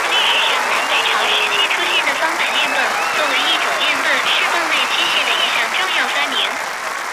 中国历史上南北朝时期出现的方板链泵作为一种链泵是泵类机械的一项重要发明。